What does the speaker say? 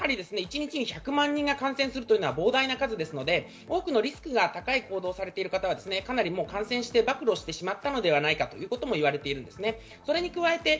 一日に１００万人が感染するというのは膨大な数ですので多くのリスクが高い行動をされてる方はかなり感染して暴露してしまったのではないかと言われています。